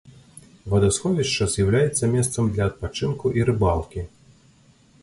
Вадасховішча з'яўляецца месцам для адпачынку і рыбалкі.